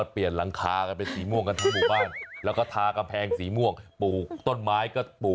ปลูกมะม่วงหน้าบ้านเลย